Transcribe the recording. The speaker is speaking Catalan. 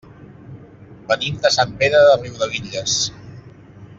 Venim de Sant Pere de Riudebitlles.